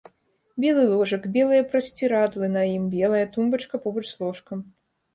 Белы ложак, белыя прасцірадлы на ім, белая тумбачка побач з ложкам.